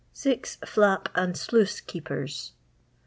0 Flap and >luice keepers.